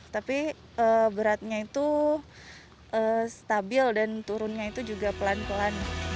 tapi beratnya itu stabil dan turunnya itu juga pelan pelan